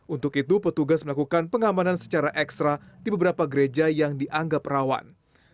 untuk itu petugas melakukan pengamanan secara ekstra di beberapa gereja yang dianggap rawan